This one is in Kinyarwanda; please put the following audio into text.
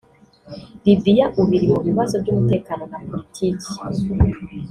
Libya ubu iri mu bibazo by’umutekano na politiki